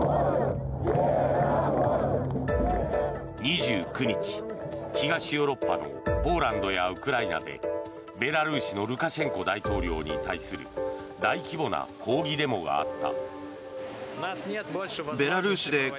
２９日、東ヨーロッパのポーランドやウクライナでベラルーシのルカシェンコ大統領に対する大規模な抗議デモがあった。